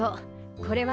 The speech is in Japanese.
これは。